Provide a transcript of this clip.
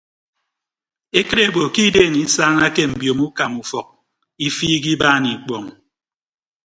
Ekịt ebo ke ideen isaanake mbiomo ukama ufọk ifiik ibaan ikpọọñ.